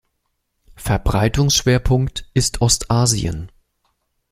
Verbreitungsschwerpunkt ist Ostasien.